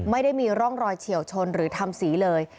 ไม่ได้มีร่องรอยเฉียวชนหรือทำสีเลย